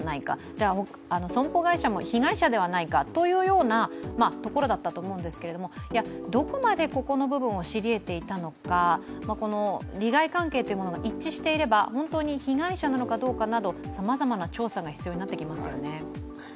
じゃあ、損保会社も被害者ではないかというところだったと思うんですけど、どこまでここの部分を知り得ていたのか利害関係というものが一致していれば、本当に被害者なのかどうかなどさまざまな調査が必要になってきますよね。